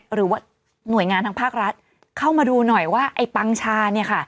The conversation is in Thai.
หรือว่าหน่วยงานทางภาครัฐเข้ามาดูหน่อยว่าไอ้ปังชาเนี่ยค่ะ